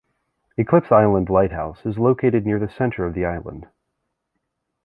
Eclipse Island Lighthouse is located near the centre of the island.